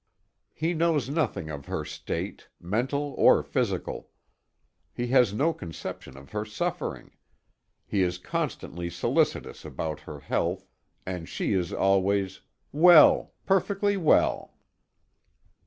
He knows nothing of her state, mental or physical. He has no conception of her suffering. He is constantly solicitous about her health, and she is always "Well; perfectly well!"